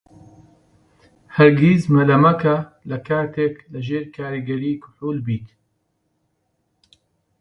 هەرگیز مەلە مەکە لە کاتێک لەژێر کاریگەریی کحوول بیت.